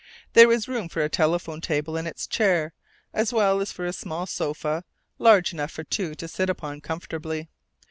There was room for a telephone table and its chair, as well as for a small sofa, large enough for two to sit upon comfortably.